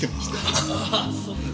ああそうですか。